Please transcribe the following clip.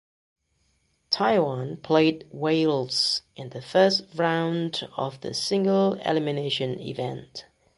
Taiwan played Wales in the first round of the single elimination event.